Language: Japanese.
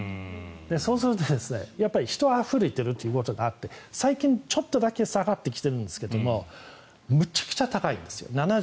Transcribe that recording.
そうするとやっぱり人があふれているということがあって最近、ちょっとだけ下がってきてるんですけれどもむちゃくちゃ高いんです。